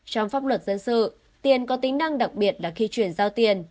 trong pháp luật dân sự tiền có tính năng đặc biệt là khi chuyển giao tiền